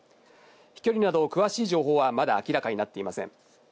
距離など、詳しい情報は明らかになっていません。